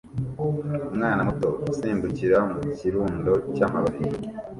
umwana muto usimbukira mu kirundo cy'amababi